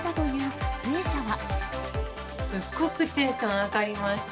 すっごくテンション上がりました。